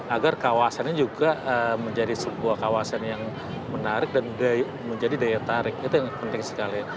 agar kawasannya juga menjadi sebuah kawasan yang menarik dan menjadi daya tarik itu yang penting sekali